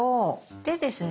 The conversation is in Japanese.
でですね